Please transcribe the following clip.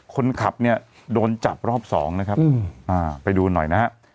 คนขับเนี่ยโดนจับรอบสองนะครับไปดูหน่อยนะฮะ